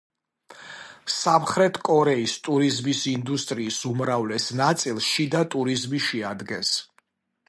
სამხრეთ კორეის ტურიზმის ინდუსტრიის უმრავლეს ნაწილს შიდა ტურიზმი შეადგენს.